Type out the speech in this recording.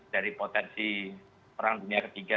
dari potensi perang dunia ketiga